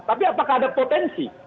tapi apakah ada potensi